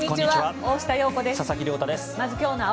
大下容子です。